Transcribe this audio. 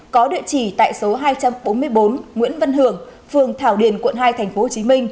có địa chỉ tại số hai trăm bốn mươi bốn nguyễn văn hưởng phường thảo điền quận hai tp hcm